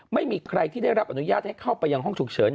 ไม่มีใครที่ได้รับอนุญาตให้เข้าไปยังห้องฉุกเฉิน